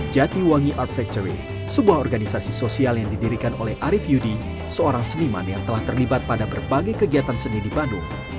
jatiwangi art factory sebuah organisasi sosial yang didirikan oleh arief yudi seorang seniman yang telah terlibat pada berbagai kegiatan seni di bandung